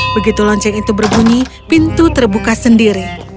begitu lonceng itu berbunyi pintu terbuka sendiri